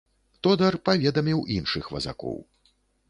Тодар паведаміў іншых вазакоў.